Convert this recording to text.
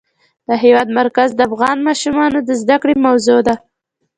د هېواد مرکز د افغان ماشومانو د زده کړې موضوع ده.